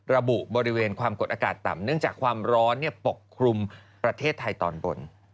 บริเวณความกดอากาศต่ำเนื่องจากความร้อนปกคลุมประเทศไทยตอนบน